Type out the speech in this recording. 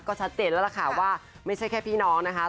ก็ชัดเจนแล้วล่ะค่ะว่าไม่ใช่แค่พี่น้องนะคะ